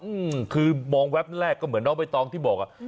อืมคือมองแวบแรกก็เหมือนน้องใบตองที่บอกอ่ะ